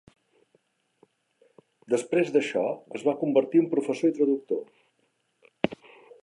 Després d'això es va convertir en professor i traductor.